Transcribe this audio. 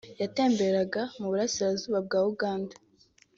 yatemberaga mu Burasirazuba bwa Uganda